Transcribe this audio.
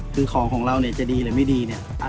คือของของเราเนี่ยจะดีหรือไม่ดีเนี่ย